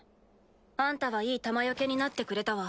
あんたはいい弾よけになってくれたわ。